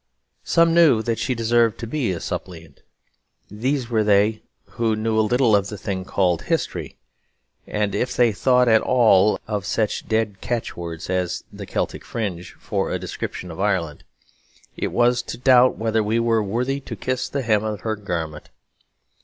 Some knew that she deserved to be a suppliant. These were they who knew a little of the thing called history; and if they thought at all of such dead catchwords as the "Celtic fringe" for a description of Ireland, it was to doubt whether we were worthy to kiss the hem of her garment.